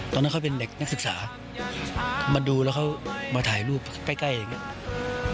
ตอนนั้นเขาเป็นเด็กนักศึกษามาดูแล้วเขามาถ่ายรูปใกล้อย่างนี้